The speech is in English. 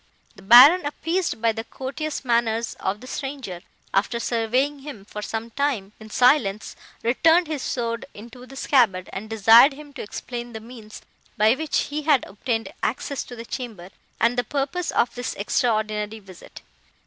"The Baron, appeased by the courteous manners of the stranger, after surveying him, for some time, in silence, returned his sword into the scabbard, and desired him to explain the means, by which he had obtained access to the chamber, and the purpose of this extraordinary visit.